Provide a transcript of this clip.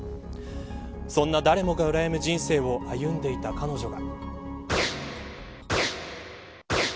そんな誰もがうらやむ人生を歩んでいた彼女は。